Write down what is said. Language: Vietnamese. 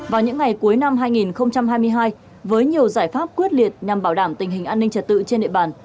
vào những ngày cuối năm hai nghìn hai mươi hai với nhiều giải pháp quyết liệt nhằm bảo đảm tình hình an ninh trật tự trên địa bàn